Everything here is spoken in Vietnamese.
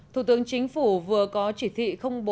thủ tướng chính phủ vừa có chỉ thị